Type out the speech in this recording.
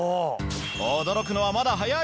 驚くのはまだ早い！